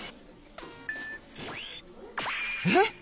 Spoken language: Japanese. えっ？